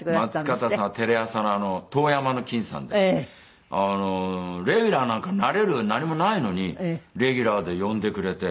松方さんはテレ朝の『遠山の金さん』で。レギュラーなんかなれる何もないのにレギュラーで呼んでくれて。